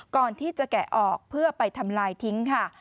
ก่อนที่จะแกะออกเพื่อไปทำลายทิ้ง